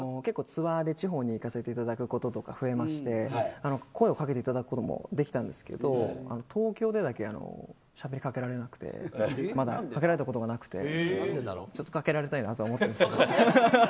ツアーで地方に行かせていただくことが増えまして声を掛けていただくこともできたんですけど東京だけしゃべりかけられたことがなくてちょっと掛けられたいなと思ってるんですけど。